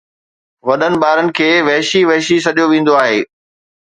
وڏن ٻارن کي وحشي وحشي سڏيو ويندو آهي